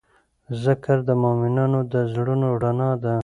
ذکر د مؤمنانو د زړونو رڼا ده.